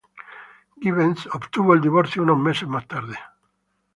Givens obtuvo el divorcio unos meses más tarde.